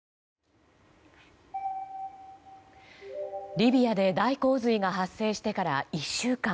リビアで大洪水が発生してから１週間。